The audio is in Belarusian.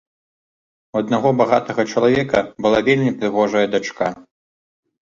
У аднаго багатага чалавека была вельмі прыгожая дачка.